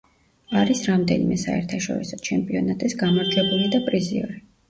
არის რამდენიმე საერთაშორისო ჩემპიონატის გამარჯვებული და პრიზიორი.